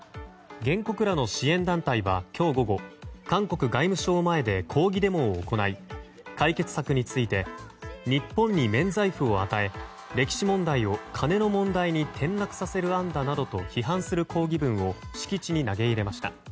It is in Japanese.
原告らの支援団体は今日午後、韓国外務省前で抗議デモを行い解決策について日本に免罪符を与え歴史問題を金の問題に転落させる案だなどと批判する抗議文を敷地に投げ入れました。